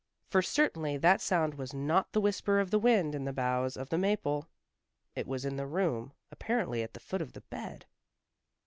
For certainly that sound was not the whisper of the wind in the boughs of the maple. It was in the room, apparently at the foot of the bed.